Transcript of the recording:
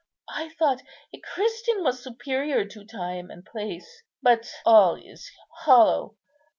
I thought a Christian was superior to time and place; but all is hollow.